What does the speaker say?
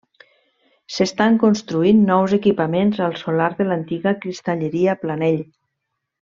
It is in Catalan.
S'estan construint nous equipaments al solar de l'antiga Cristalleria Planell.